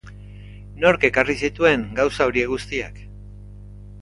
Nork ekarri zituen gauza horiek guztiak?